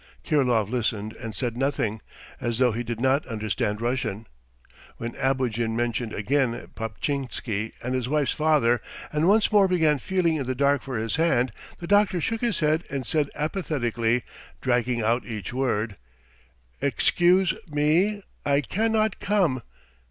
Kirilov listened and said nothing, as though he did not understand Russian. When Abogin mentioned again Paptchinsky and his wife's father and once more began feeling in the dark for his hand the doctor shook his head and said apathetically, dragging out each word: "Excuse me, I cannot come